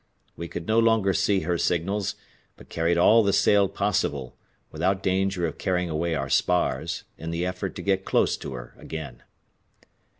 We could no longer see her signals, but carried all the sail possible, without danger of carrying away our spars, in the effort to get close to her again.